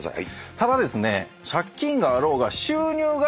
ただですね。